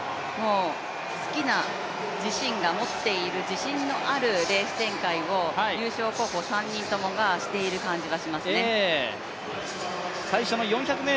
好きな自身が持っている自信のあるレース展開を優勝候補３人ともがしている感じはしますね。